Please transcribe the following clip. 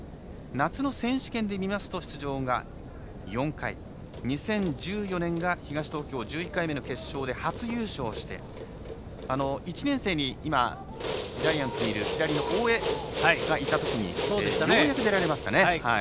夏の選手権で見ますと出場が４回、２０１４年が東東京１１回目の決勝で初優勝して１年生に今ジャイアンツにいる左の大江がいたときにようやく出られましたね。